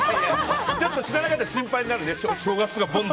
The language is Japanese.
ちょっと知らなかったら心配になるよね。